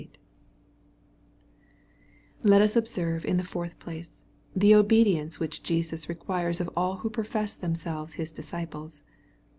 411 Let US observe, in the fourth place, the obedience which Jesus requires of all who profess themselves His disciples.